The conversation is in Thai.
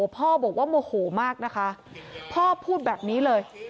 พ่อบอกว่าโมโหมากนะคะพ่อพูดแบบนี้เลย